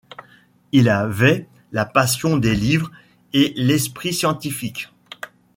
Il avait la passion des livres et l'esprit scientifique.